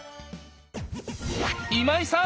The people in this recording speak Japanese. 今井さん！